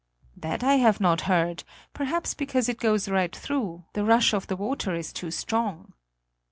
"That I have not heard; perhaps because it goes right through; the rush of the water is too strong."